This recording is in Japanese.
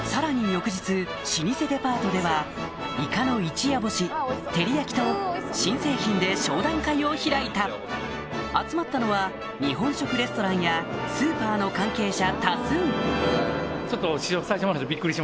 翌日老舗デパートではイカの一夜干し照り焼きと新製品で商談会を開いた集まったのは日本食レストランやスーパーの関係者